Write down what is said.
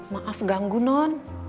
maaf ganggu non